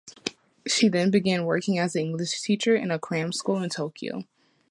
She then began working as an English teacher in a cram school in Tokyo.